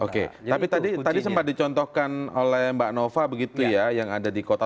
oke tapi tadi sempat dicontohkan oleh mbak nova begitu ya yang ada di kota